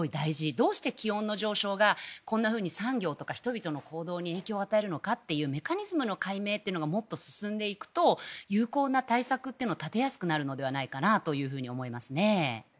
どうして、気温の上昇がこんなふうに産業とか人々に影響を与えるのかというメカニズムの解明がもっと進んでいくと有効な対策を立てやすくなるのではないかなと思いますね。